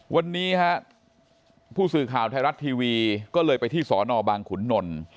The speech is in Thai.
วันนี้ฮะผู้สื่อข่าวไทยรัฐทีวีก็เลยไปที่สอนอบางขุนนล